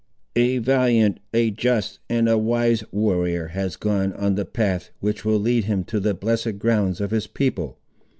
"A valiant, a just, and a wise warrior has gone on the path, which will lead him to the blessed grounds of his people!"